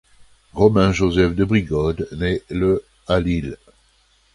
Romain-Joseph de Brigode naît le à Lille.